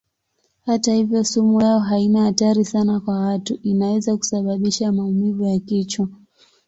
Hata hivyo sumu yao haina hatari sana kwa watu; inaweza kusababisha maumivu ya kichwa.